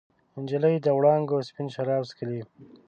نجلۍ د وړانګو سپین شراب چښلي